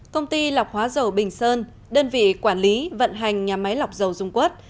công ty lọc hóa dầu bình sơn đơn vị quản lý vận hành nhà máy lọc dầu dung quất